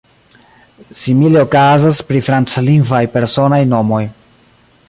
Simile okazas pri franclingvaj personaj nomoj.